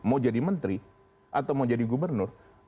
mau jadi menteri atau mau jadi gubernur